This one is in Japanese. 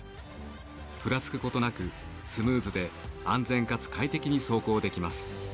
ふらつくことなくスムーズで安全かつ快適に走行できます。